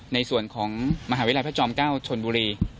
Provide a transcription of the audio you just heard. ในส่วนของมหาวิทยาลัยพระจอม๙ชนบุรี